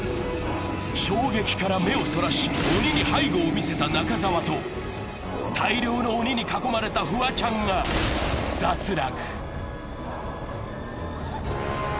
衝撃から目をそらし、鬼に背後を見せた中澤と大量の鬼に囲まれたフワちゃんが脱落。